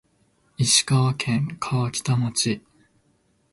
石川県川北町